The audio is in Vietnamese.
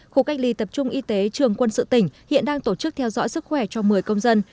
khu cách ly tập trung y tế trường quân sự tỉnh hiện đang tổ chức theo dõi sức khỏe cho một mươi công dân